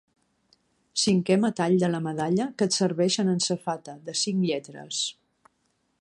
V Metall de la medalla que et serveixen en safata, de cinc lletres.